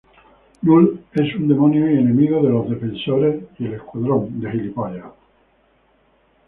Null es un demonio y enemigo de Los Defensores y el Escuadrón Supremo.